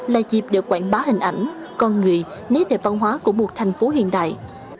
là dịp để quảng bá hình ảnh con người nét đẹp văn hóa của một thành phố hiện đại